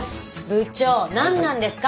部長何なんですか？